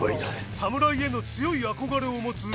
侍への強い憧れを持つイチ。